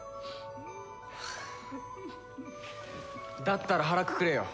だったら腹くくれよ。